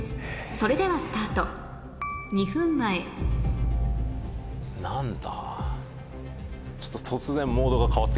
それではスタート２分前何だ？